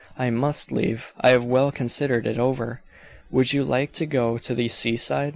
"I must leave; I have well considered it over." "Would you like to go to the seaside?"